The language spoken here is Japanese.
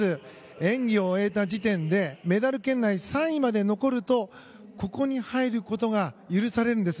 演技を終えた時点でメダル圏内３位まで残るとここに入ることが許されるんです。